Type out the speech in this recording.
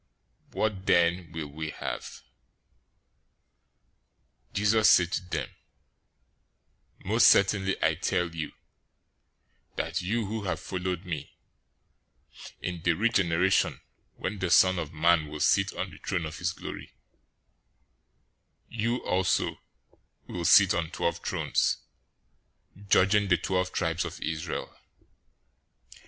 What then will we have?" 019:028 Jesus said to them, "Most certainly I tell you that you who have followed me, in the regeneration when the Son of Man will sit on the throne of his glory, you also will sit on twelve thrones, judging the twelve tribes of Israel.